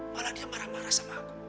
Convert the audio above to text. malah dia marah marah sama aku